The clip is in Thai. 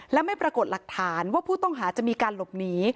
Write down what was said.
และไม่ปรากฏหลักฐานว่าผู้ต้องหาจะมีการหลบหนี